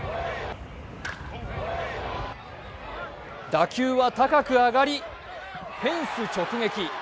打球は高く上がり、フェンス直撃。